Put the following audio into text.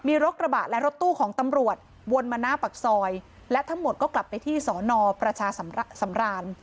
มีรถกระบะและรถตู้ของตำรวจวนมาหน้าปากซอยและทั้งหมดก็กลับไปที่สอนอประชาสำราน